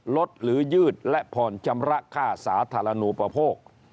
หรือยืดและผ่อนชำระค่าสาธารณูปโภค